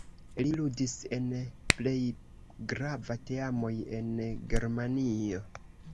Li ludis en plej grava teamoj en Germanio.